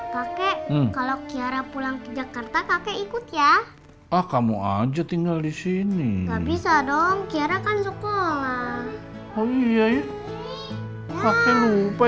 kakek kalau kiara pulang ke jakarta kakek ikut ya ah kamu aja tinggal di sini bisa dong kira